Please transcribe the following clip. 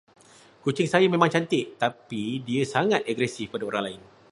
Kucing saya memang cantik tertapi dia sangat agresif kepada orang lain.